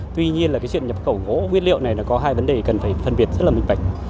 tuy nhiên là cái chuyện nhập khẩu gỗ nguyên liệu này nó có hai vấn đề cần phải phân biệt rất là minh bạch